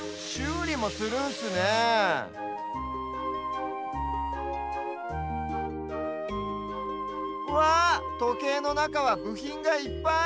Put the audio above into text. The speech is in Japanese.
うりもするんすねえわっとけいのなかはぶひんがいっぱい！